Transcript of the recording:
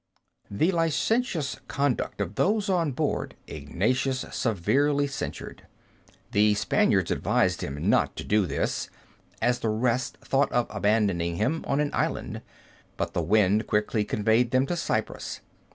The licentious conduct of those on board Ignatius severely censured. The Spaniards advised him not to do this, as the rest thought of abandoning him on an island. But the wind quickly conveyed them to Cyprus.